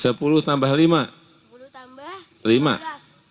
sepuluh tambah lima belas